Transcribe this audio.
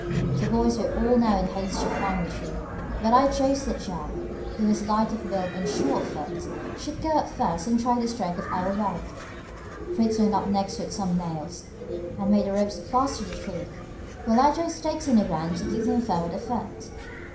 The boys were now all in haste to climb the tree, but I chose that Jack, who was light of build and sure of foot, should go up first and try the strength of our work. Fritz went up next with some nails, and made the ropes fast to the tree, while I drove stakes in the ground to keep them firm at the foot.